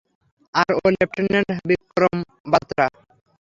আর ও লেফটেন্যান্ট বিক্রম বাতরা।